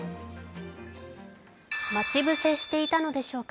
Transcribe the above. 待ち伏せしていたのでしょうか。